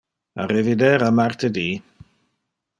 A revider a martedi!